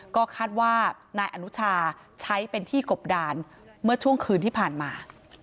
ก็คาดว่านายอนุชาใช้เป็นที่กบดานเมื่อช่วงคืนที่ผ่านมา